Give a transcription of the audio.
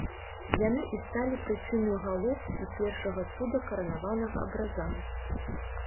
Яны і сталі прычынаю гало і першага цуда каранаванага абраза.